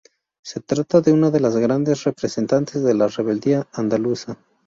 Se trata de una de las grandes representantes de la rebeldía andaluza.